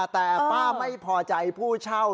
แต่ป้าไม่พอใจผู้เช่า